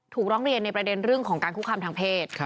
ถูกร่องเรียนในประเด็นของการคุ้กคำทางเพศ